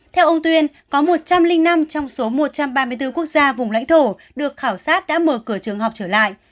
theo ông tuyên có một trăm linh năm trong số một trăm ba mươi bốn quốc gia vùng lãnh thổ được khảo sát đã mở cửa trường học trở lại